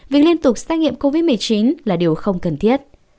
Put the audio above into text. việc liên tục xét nghiệm covid một mươi chín là điều không cần thiết